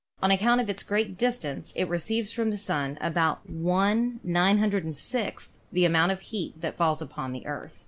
On account of its great distance it receives from the Sun about V 906 the amount of heat that falls upon the Earth.